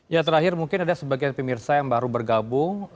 ya terakhir mungkin ada sebagian pemirsa yang baru bergabung